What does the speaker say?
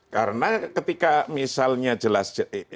karena ketika misalnya jelas